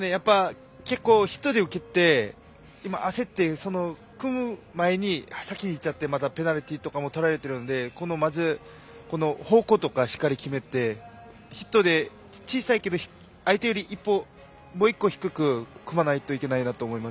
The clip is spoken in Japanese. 結構、ヒットで受けて焦って組む前に先に出ちゃってペナルティーとかもとられているのでまず、方向とかをしっかり決めてヒットで小さいけど、相手よりもう１個、低く組まないといけないなと思います。